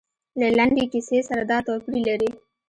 له لنډې کیسې سره دا توپیر لري.